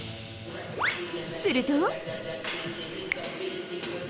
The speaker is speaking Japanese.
すると。